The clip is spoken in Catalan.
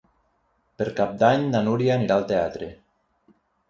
Per Cap d'Any na Núria anirà al teatre.